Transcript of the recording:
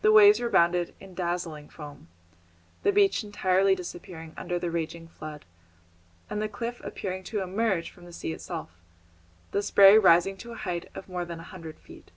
The waves rebounded in dazzling foam, the beach entirely disappearing under the raging flood, and the cliff appearing to emerge from the sea itself, the spray rising to a height of more than a hundred feet.